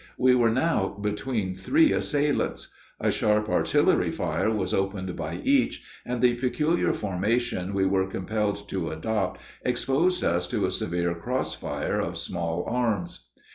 We were now between three assailants. A sharp artillery fire was opened by each, and the peculiar formation we were compelled to adopt exposed us to a severe cross fire of small arms.